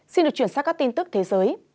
xin được chuyển sang các tin tức thế giới